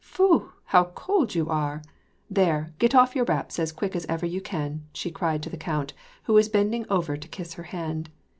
" Foo ! how cold you are ! There, get off your wraps as quick as ever you can," she cried to the count, who was bending over to kiss her hand.